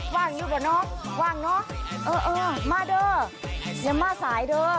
ว่างอยู่กับน้องว่างน้องเออเออมาเด้อยังมาสายเด้อ